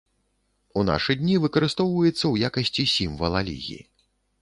У нашы дні выкарыстоўваецца ў якасці сімвала лігі.